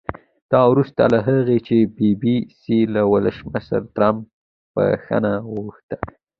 دا وروسته له هغه چې بي بي سي له ولسمشر ټرمپه بښنه وغوښته